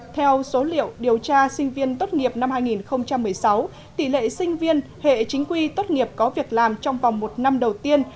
theo số liệu điều tra sinh viên tốt nghiệp năm hai nghìn một mươi sáu tỷ lệ sinh viên hệ chính quy tốt nghiệp có việc làm trong vòng một năm đầu tiên